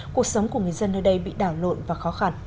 cuộc sống của người dân nơi đây bị đảo lộn và khó khăn